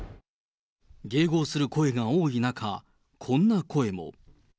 迎合する声が多い中、こんな声も。